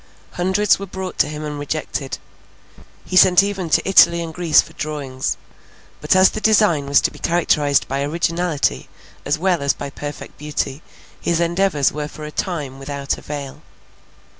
Hundreds were brought to him and rejected. He sent even to Italy and Greece for drawings; but, as the design was to be characterized by originality as well as by perfect beauty, his endeavours were for a time without avail.